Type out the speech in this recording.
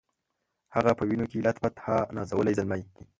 هغه په وینو کي لت پت ها نازولی زلمی